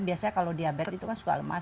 biasanya kalau diabetes itu kan suka lemas